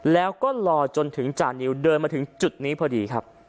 แล้วก็รอจนถึงจานิวเดินมาถึงจุดนี้พอดีครับ